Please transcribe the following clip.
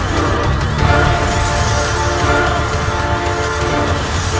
bersama aku sama kandu